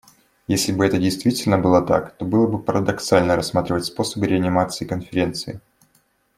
Если бы это действительно было так, то было бы парадоксально рассматривать способы реанимации Конференции.